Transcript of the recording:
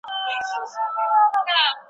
يوې ته هم اشاره ونکړي.